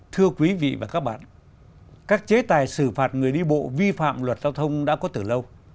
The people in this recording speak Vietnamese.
thưa quý vị và các bạn các chế tài xử phạt người đi bộ vi phạm luật giao thông đã có từ lâu